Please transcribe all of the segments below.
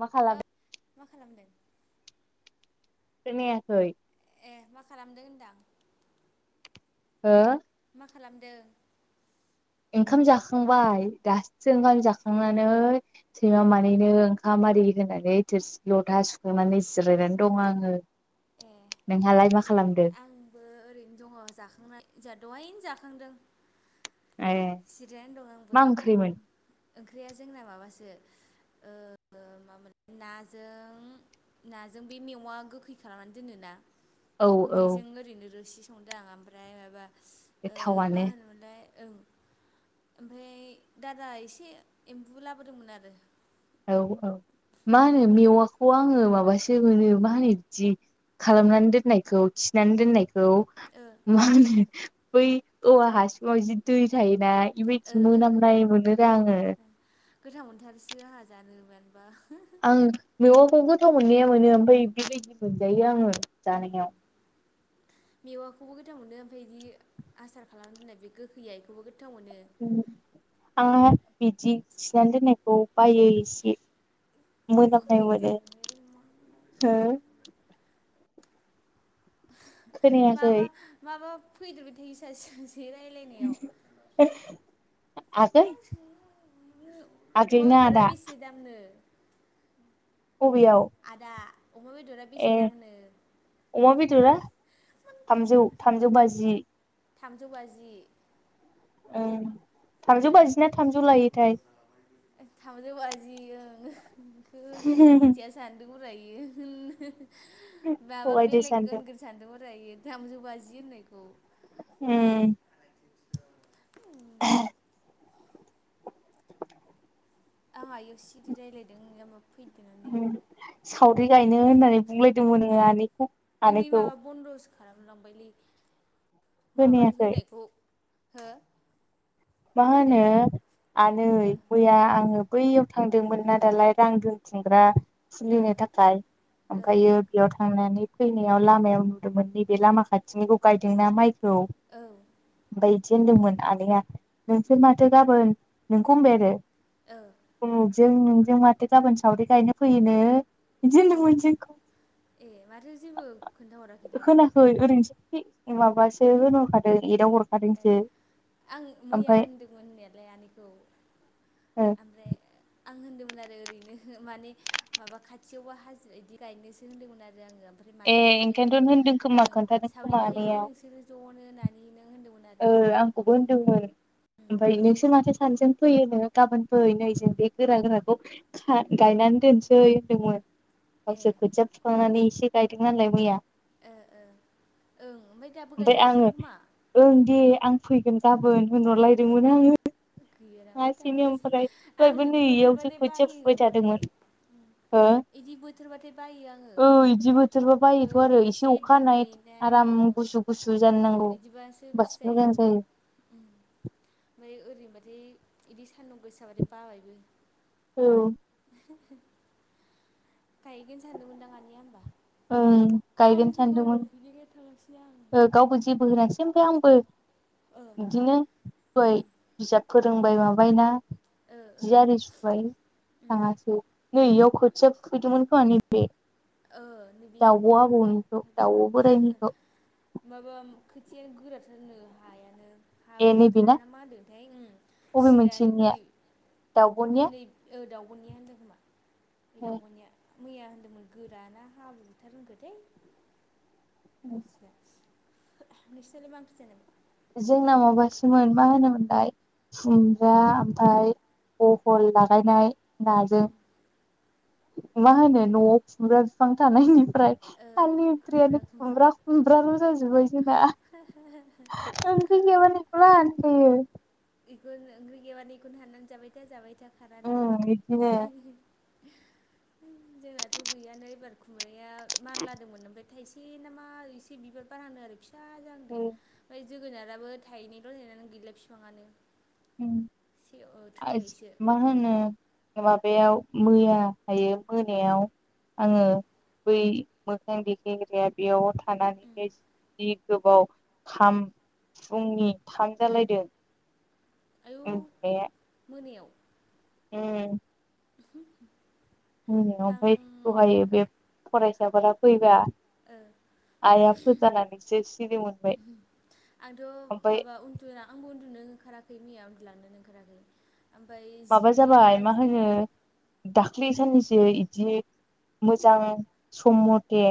मा खालाम ओ मा खालामदों? खोनायाखै। ए मा खालामदों होनदां? हो मा खालामदों? ओंखाम जाखांबाय दासो ओंखाम जाखांनानै सैमा ओ मानैनो हामारि होनानै थोरसि लथा सुखांनानै जिरायनानै दं आङो। ए नोंहालाय मा खालामदो? आंबो ओरैनो दङ जाखांना जा दहायनो जाखांदों। ए सिरियानो दं मा आंबो। ओंख्रिमोन ओंख्रिया जोंना माबासो ओ-मामोन नाजों नाजों बे मेवा गोखै खालामनानै दोनो ना। औ औ बेजों ओरैनो रोसि संदों आं ओमफ्राय माबा ओ- मा गोथावानो होनोमोनलाय ओं ओमफ्राय दादा एसे एम्बु लाबोदोंमोन आरो। औ-औ मा होनो बेखौनो मेवाखौ आङो माबासो मोनो मा होनो बिदि खालामनानै दोननायखौ थिनानै दोननायखौ ओ मा होनो बै औवा हासिङाव जि दै थायोना ओ बेबायदि ओ मोनामनाय मोनोरा आङो। गोथाव मोनथारसो आंहा जानो मोनोबा। [unintelligible] मेवाखौ गोथाव मोननाया मोनो ओमफ्राय बेबायदि मोनजायो आङो जानायाव। मेवाखौबो गोथाव मोनो ओमफ्राय बिदि आसार खालामनानै दोननाय बे गोखैया इखौबो गोथाव मोनो। [unintelligible] आंहा बिदि थिनानै दोननायखौ बायो एसे। मोनामनाय मोनो। हो खोनायाखै माबा-माबा फैदेरबाय थायो सासे-सासे रायलायनायाव। [unintelligible] आगै अमा आगैना बेदरा आदा बेसे दामनो? अबियाव? आदा अमा बेदरा बेसे ए दामनो अमा बेदरा थामजौ-थामजौ बाजि। थामजौ बाजि। थामजौ बाजिना थामजौ लायोथाय। थामजौ बाजि ओं खोब जोंखौ मिथिया सानदोंमोनरा इयो हो माबा थगायदो बेलेग सानदों होनगोन सानदोंमोनरा इयो थामजौ बाजि होननायखौ। ओम। [unintelligible] [inaudible] आंहा इयाव सिरि रायज्लायदों इहा माबा फैदोनानै उम सावरि गायनो होननानै बुंलायदोंमोन आङो आनैखौ। ओइबे आनैखौ माबा बन्दसो खालामलांबायलै माबानो खोनायाखै होनायखौ। हो। मा होनो आनै मैया आङो बैयाव थांदोंमोन ना दालाय रां दोनथुमग्रा ओ खुलिनो थाखाय ओ ओमफ्रायो बेयाव थांनानै फैनायाव लामायाव नुदोंमोन नैबे लामा खाथिनिखौ गायदोंना माइखौ। औ। ओमफ्राय बिदि होन्दोंमोन आनैया उम नोंसोर माथो गाबोन नोंखौ होनबाय आरो ओ जों नोंजों माथो गाबोन सावरि गायनो फैयोनो इदि ओ होनदोंमोन ए माथो जेबो खोन्थाहराखैलै जोंखौ आनैया होनाखै गाव ओरैनोसो थि माबासो होनहरखादों एदाव ए हरखादोंसो आं मैया होनदोंमोन होननायालाय आनैखौ औ [unintelligible] आं होनदोंमोन आरो ओरैनो माने माबा खाथियावबा हाजिरा बिदि गायनोसो होन्दोंमोन आरो आङो। ओमफ्राय ए मादैया होनबाय आरो ओंखायनोथ' होनदों खोमा ओ- खोन्थादों सावरि खोमा गाहैदो आनैया नोंसोरो ज'नो नानि नों होन्दोंमोन। ओ-आंखौबो होनदोंमोन। उम ओमफफ्राय नोंसो माथो सानैजों फैयो नोङो गाबोन फै नै जों बे गोरा गोराखौ गायनानै दोनसै होनदोंमोन। ए गावसोर खोथिया फुखांनानै एसे गायदों नालाय मैया ओ ओ ओं ओमफ्राय दाबो गायगासिनो खोमा? ओं दे आं फैगोन गाबोन होनहरलायदोंमोन आङो गैयो नामा हारसिंनो थांजायासै ओमफ्राय आं दहायबो बिदि नै इयावसो बोथोरबाथाय खोथिया बायो फुबाय ओमफ्राय थादोंमोन हो इदि बोथोरबाथाय बायो आङो औ इदि बोथोरबा बायोथ' ओं आरो एसे अखा हानाय दोमै आराम [unintelligible] गुसु गुसु जानो नांगौ बिदिबासो होमबासो गोसो मोजां जायो आंबो। उम ओमफ्राय ओरैनोबाथाय बिदि सान्दुं गोसाबाथाय बाबायबो। औ [unintelligible] गायगोन सानदोंमोनदां आनैआ होमबा ओं गायगोन आं जेबो सानदोंमोन होनहरफिनिखाय थांआसै आं। ओ गावबो जेबो होनसै ओमफ्राय आंबो ओ बिदिनो दहाय बिजाब फोरोंबाय माबायना ओ ओ जि आरि सुबाय उम थाङासै नै इयाव खोथिया फुफैदोंमोन खोमा नै बे ओ नैबे दावब' आबौनिखौ दाउब' बोराइनिखौ माबा खोथियानो गोराथारनो हायानो ए नैबेना हाब्रुथारना मा होनदोंथाय उम बबे मोनसेनिया सिलानिख्रुइ दाउब'निया नै ओ दावबनिया होनदों खोमा बे दाउबनिया मैया होनदोंमोन गोराना हाब्रुथार होनखोथाय मिथिला नोंसिनालाय मा ओंख्रि जानाय मोन? जोंना मबासोमोन मा होनोमोनलाय खुमब्रा ओमफ्राय बहल लागायनाय नाजों उम मा होनो न'आव गोथाव खुमब्रा बिफां थानायनिफ्राय ओ खालि ओंख्रियानो खुमब्रा खुमब्राल' जाजोब्बाय जोंना [unintelligible] ओंख्रि गैयाबानो इखौल' हानखायो इखौनो ओंख्रि गैयाबानो बेखौनो हाननानै जाबाय था जाबाय था खानानै उम बिदिनो जोंनाथ' गैयानो एबार खुमब्राया मान लादोंमोन ओमफ्राय थाइसे नामा एसे बिबार बारहांदों आरो फिसा जाहांदों। फाय जोगोनाराबो थाहनैल' नेनानै गैला बिफाङानो से ओ [unintelligible] थैबायसो मा होनो माबायाव मैया हायो मोनायाव उम आंङो बै मोखां देखेग्राया बेयाव उम थानानैनो जि गोबाव खाम फुंनि थाम जालायदों आयौ उन्दुनाया मोनायाव उम [unintelligible] [unintelligible] आं बे फरायसाफोरा फैबा ओ आइआ फोजानानैसो सिरि मोनबाय। आंथ' ओमफ्राय [unintelligible] आंबो उन्दुनो ओंखाराखै मैया उन्दुलांनोनो ओंखाराखै। ओमफ्राय माबा जिनै जाबाय मा बाजि होनो दाख्लै साननैसो बिदि मोजां सम मथे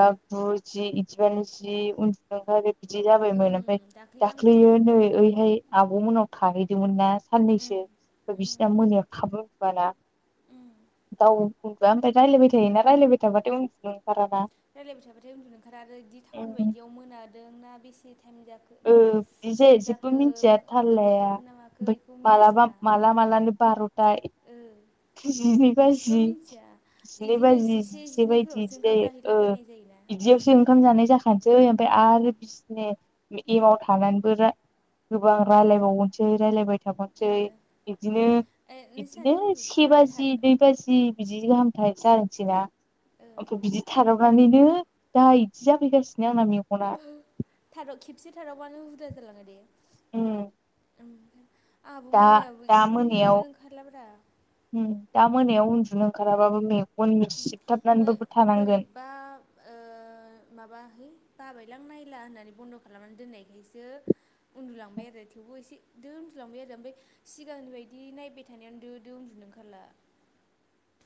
ओ बु जि बिदिबानो जि उन्दु ओंखारो बिदि ओं जाबायमोन ओमफ्राय दाख्लै आंबो दाख्लैयो इदिमोन नै ओइहाय आब' मोनाव थाहैदोंमोन ना उम साननैसो ओमफाय उम बिसिना मोनायाव थाबबो उनदुवाना उम [unintelligible] ओमफ्राय रायज्लायबाय थायोना राय्लायबाय थाबाथाय उनदुनो ओंखाराना रायलायबाय थाबाथाय उन्दुनो ओंखारा आरो बिदि टाउन बायदियाव मोनादों ना बेसे टाइम जाखो ओ माबा बिदि जायो सम जेबो जाखो मिथिया मो ओ थाल हर लाया थौखो ना माखो ओमफ्राय इखौ मालाबा मिनथिया माला मालानो बार'ता ओं जेबो मिथिया जिनै बिदिनो बाजि जिसे बायदि बिदि जिनैफोरावसो ओंखाम जायो ओ जाहैलाबायनाय जायोना। बिदियावसो बिसिना ओंखाम जानाय जाखानोसै ओमफ्राय उम आरो बिसोरनि एमाव थानानैबो गोबां उम रायजलायबावनोसै रायलायबाय थाबावनोसै ओ बिदिनो ए नोंसोर सानैजों बिदिनो उन्दु से माबा बाजि थाद दै [unintelligible] बिदि गाहामथाय जानोसैना ओ ओमफ्राय बिदि थादाव- नानैनो दा बिदि जाफैगासिनो आंना मेगना। थाद' खेबसे थादावबानो हुदा जालाङो दे। उम ओमफ्राय आंहाबो दा मैयाबो दा मोनायाव उन्दुनोनो ओंखारला ब्रा। उम दा मोनायाव उन्दुनो ओंखाराबाबो मेगन मिसिबथाबनानैबाबो थानांगोन। बा ओ माबा है बाबायलां नायला होननानै बन्द' खालामनानै दोननायखायसो। उन्दुलांबाय आरो थेवबो एसे दो उन्दुलांबाय आरो ओमफ्राय सिगांनि बायदि नायबाय थानायावनो दो दो उन्दुनो ओंखारला।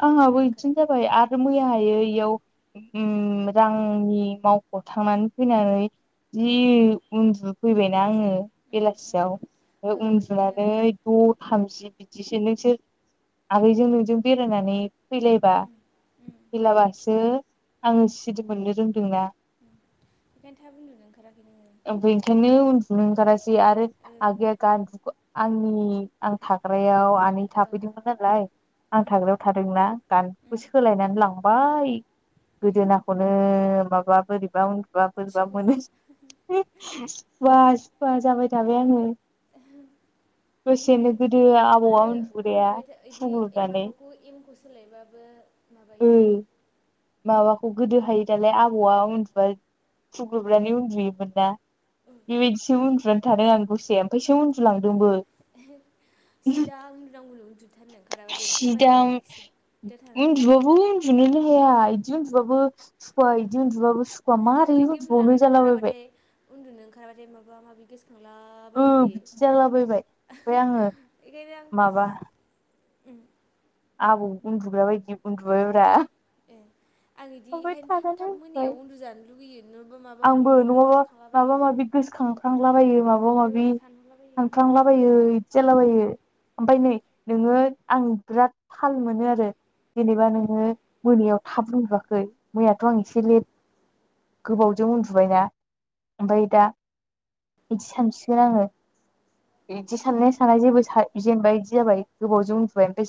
आंहाबो उन्दुनो बिदिनो ओंखाराखै जाबाय आरो मैया हायो इयाव उम रांनि मावख' थांनानै फैनानै जि उम उन्दुफैबायना आङो उम उम बेलासियाव। ओ ओमफ्राय बेखायनो उन्दुनानै द' थामजि बिदिसै नोंसोर आगैजों नोंजों बे- रायनानै फैलायबा उम उम बेलाबासो आङो सिरि मोननो रोंदोंना। उम बेखायनो उन्दुनो ओंखाराखै नोङो। बेनिखायनो उन्दुनो ओंखारासै आरो ओ आगैया गान्दुखो आंनि आं थाग्रायाव आनै औ थाफैदोंमोन नालाय। आं उम थाग्रायाव थादोंना गान्दुखौ उम सोलायनानै लांबाय। गोदोनाखौनो माबा बोरैबा उन्दुबा बोरैबा थिखुला मोनो। सुखुवा-सुखुवा जाबाय थाबाय आङो इदि दसेनो। गोदो आबौआ आरो उन्दुग्राया उन्दुबाय था इदि खुग्लुबनानै। माबाखौ एमखौ सोलायबाबो ओ माबायोना। माबाखौ गोदोहाय दालाय आबौआ उन्दुबा खुग्लुबनानै उन्दुयोमोन ना। ओ बेबायदिसो उन्दुनानै थादों आं दसे ओमफ्रायसो उन्दुलांदोंबो। [unintelligible] सिदा उन्दनांगौल' उन्दुथारनो खाराबा सिदा एखदमारे सिद्दा थानानै। उन्दुबाबो [unintelligible] इदि उन्दुबाबो। सुखुवा ओं इदि उन्दुबाबो सुखुवा ओमफ्राय मारै बिदि उन्दुबावनो उन्दुलांनो जालाबायबाय। ओंखाराबाथाय उन्दुनो ओंखारबाथाय माबा माबि गोसोखांला- ओ बायो दे बिदि जालाबायबाय ओमफ्राय आङो [unintelligible] बेखायनो आं माबा आबौ उन्दुग्रा बायदि उन्दुबायब्रा ए आं बिदि ओमफ्राय बेखायनो थाब थानानै थाब उन्दुबाय मोनायाव उन्दुजानो लुगैयो नङाबा माबा माबि आंबो माबा माबि नङाबा गोसोखांलाबायो माबा ओरैनो माबि गोसोखां फ्रांलाबायो माबा माबि सानब्लाबो सानखांला बायो जालाबायो ओमफ्राय नै नोङो आं बिराद थाल मोनो आरो जेनेबा ओं नोङो मोनायाव थाब उन्दुआखै मैयाथ' आं एसे ओं लेट गोबाव- बिजों उन्दुबायना ओमफ्राय दा बिदि सानसिगोन आङो। बिदि ओं साननाया साना जेबो सा जेनबाय बिदि जाबाय गोबावजों उन्दुबाय ओमफ्राय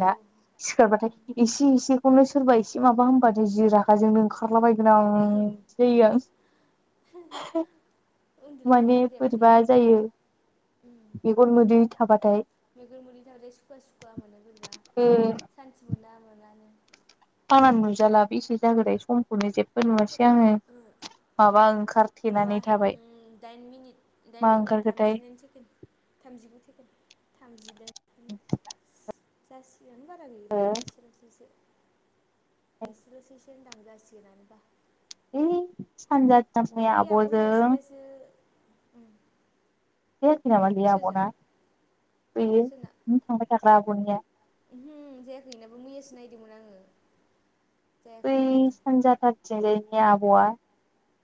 औ सिखारबाथाय इसे इसेखौनो सोरबा एसे माबा होनबाथाय जि रागाजोंनो ओंखारो। खारलाबायगोन आं [unintelligible] उन्दुनो माने मोजां जायाबाथाय बोरबा बिदिनो जायो मेगन मोदै थाबाथाय। मैगुन मोदैनि थाखायल सुखुा सुखुवा मोनो बोरबा सान्थि मोना मोनानो फाना नुजाला बे एसे जागोदाय समखौनो जेबो नुवासै आङो माबा ओंखार माबा दाइन मिनिट दाइन मा मिनिट ओंखारखोथाय थामजिदाइन सेकेणड थामजिगु थेकेन थामजिदाइन ससियानो बारा गैलानो इसोरसेस एसे होनदां जासिगोनानोबा ए सानजाथ ननि आब'ज जे अ जायाखै नामा बेै आब'ना फयो न थांबाय थाग्रा आब'निया ओमहो जायाखै बेनाबो मैयासो नायदोंमोन आङो बै जायाखै गैया सानजाथारथिंजायनि आब'आ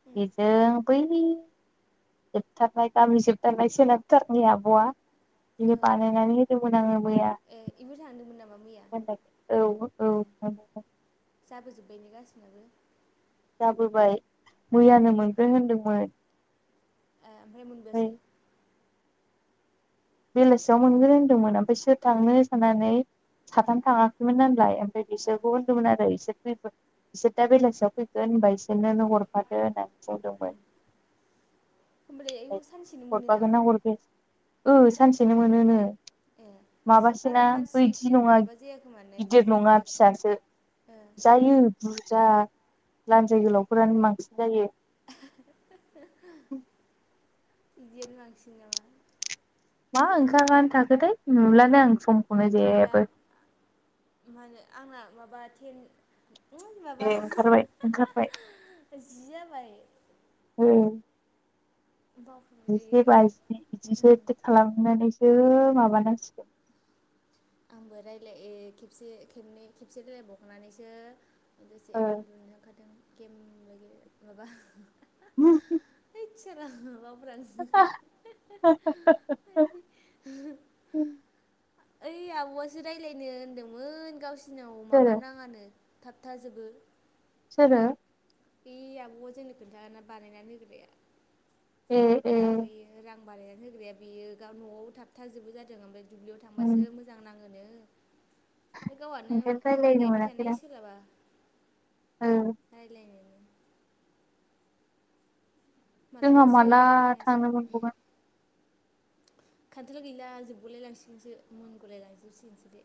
उम बेजों बै जोबथारनाय गामि जोबथारनाय सोनाबथारनि आब'आ ओ बिनो बानायनानै होदोंमोन आङो मैया ए बेबो थांदोंमोन नामा मैया औ औ ए जाबोजोब्बाय न गासिनाबबो जाबोबाय मैयानो उम मोनबायबाय होनदोंमोन ओमफ्राय मोनबोआसै बेलासियाव मोनगोन होनदोंमोन ओमफ्राय सोर थांनो सनानै ओ साथाम थाङाखै मोन नालाय ओमफ्राय औ बिसोरखौ होनदोंमोन आरो बिसोर फ बिसोर दा उम बेलासियाव फैगोन होनबा बिसोरनों हरफादो होननानै बुंदोंमोन होमबालाय आयौ सानसेनो मोनो नामा हरफागोनना हरफायासै ओ सानसेनो मोनो ए बारा मानसि नङा माबा जायाखै मान गिदिर बुरजा नङा जायाखै फिसासो ओ जायो बुरजा लान्जाय गोलावफोरानो बांसिन जायो [unintelligible] बिदियानो बांसिन नामा मा ओंखारानो थाखो दैे नुलानो आं सम नुला मा होनो आंना माबा टेन माबा ए ओंखारबाय ओंखारबाय जि जाबाय औ दा जिसे बाजि बिदिसो खालामनानैसो माबानांसिगोन आंबो रायज्लाय खेबसे खबनै खेबसे रायलाय बावखानानैसो गोसे ओ उनन्दुनो ओंखारदों गेम गेले माबा [unintelligible] [unintelligible] ओइ आब'आसो रायज्लायनो होनदोंमोन गावसिनाव सोरो माबा नाङानो थाबथाजोबो। सोरो बे आब'आ जोंनो खोन्थाना बानायनानै होग्राया। ए ए दाख्लैयो रां बारायनानै होग्राया बेयो न'आव थाबथाजोबो जादों ओमफ्राय दुब्लियाव थांबासो उम मोजां नाङोनो ओमफ्राय गावहाआनो ओंखायनो माइ रायलायनो गायबाय थानाय मोनाखैदां सोलाबा ओ रायज्लायनोनो। जोंहा मालाबासो माला थांनो रायलायनांसिगोन मोनबावगोन। खान्थाल' गैला जोबगलायलांसिगोनसो मोनगुलायलांजोबसिगोनसै दे।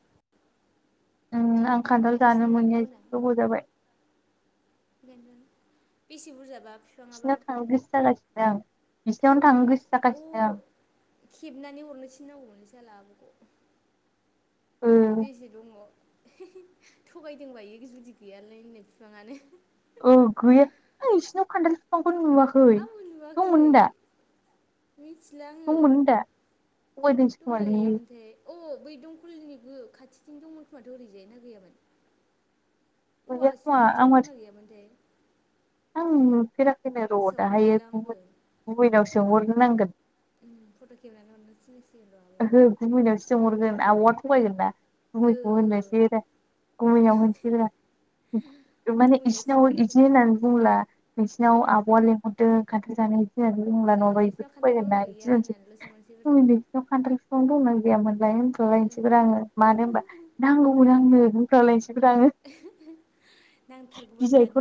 उम आं खान्थाल जानो इसिना मोनै जा आब'मोना गोबाव जाबाय। बेसे बुरजाबा। बिफाङाबा बिसिनाव थांनो गोसो जागासिनों बिसिनावनो थाइनै थांनो गोसो अ जागासिनो खेबनानै हरनो थिननागौमोनलै साला आब'खौ। ओ बेसेे दङ थगायदोंबा इ जुदि गैयालायनो बिफाङानो। औ गैया इसिनाव खान्थाल बिफांखौनो नुवाखै आंबो दंमोन नुवाखै होनदा मिथिला आङो दा थगायदोंसो दंना खोमालै गैयामोनथाय अ बै दंखलनि खाथिथि दंमोन खोमाथ' ओरैजाय ना गैयामोन। गैया औवासु खोमा आं खाथियाव दंना माथो गैयामोनथाय। आं नुफेराखैनो र' गोसोआवनो दाहाय गैला आंबो गुमैनाव सोंहरग्रोनांगोन। फट' खेबनानै हरनो थिननांसिगोन र'आबखौ। मोनायावसो सोंहरगोन आब'आ थगायगोन ना। ओ गुमैखौ ओ होननोसैरा गुमैनाव होननोसैरा माने गुबैनासो इसिनाव सोंहरनो इदि नागिरदों होननानै बुंला ओ नोंसिनाव आब'आ लेंहरदों खान्थाल जानो होनानै बुंला ओ नङाबा इदि नोंसिनाव खान्थाल थगायगोनना दंना इदि गैया होनसै होननानैल' सोंहरसैब्रा नोंसिनाव खान्थाल बिफां दंना गैयामोनलाय ओं होनफ्लायनोसै आङो मानो होमबा। नांगौमोन आंनो बुंफ्लायनोसै आङो नांथारगौमोन दा। बिलाइखौ